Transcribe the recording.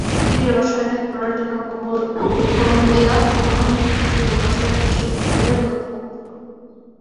তিনি রসায়নে পড়ার জন্য কলম্বিয়া খনিপ্রকৌশল ও রসায়ন বিশ্ববিদ্যালয়ের নথিভুক্ত হন।